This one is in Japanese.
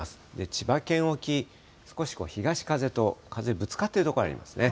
千葉県沖、少し東風と、風ぶつかっている所ありますね。